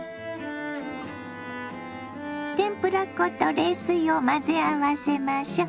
天ぷら粉と冷水を混ぜ合わせましょ。